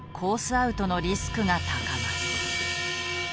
アウトのリスクが高まる。